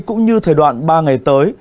cũng như thời đoạn ba ngày tới